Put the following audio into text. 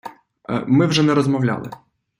Ми вже не розмовляли.